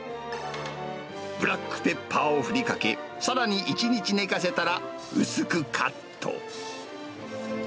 ブラックペッパーを振りかけ、さらに１日寝かせたら、薄くカット。